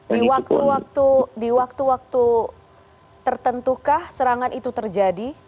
di waktu waktu tertentukah serangan itu terjadi